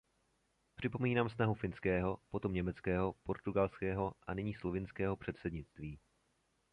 Připomínám snahu finského, potom německého, portugalského a nyní slovinského předsednictví.